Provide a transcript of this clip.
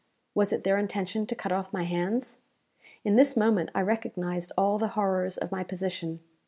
Was it their intention to cut off my hands? In this moment I recognized all the horrors of my position.